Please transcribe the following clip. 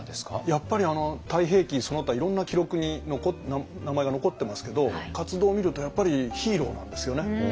やっぱり「太平記」その他いろんな記録に名前が残ってますけど活動を見るとやっぱりヒーローなんですよね。